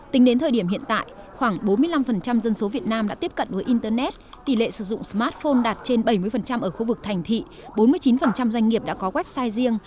tính đến thời điểm hiện tại khoảng bốn mươi năm dân số việt nam đã tiếp cận với internet tỷ lệ sử dụng smartphone đạt trên bảy mươi ở khu vực thành thị bốn mươi chín doanh nghiệp đã có website riêng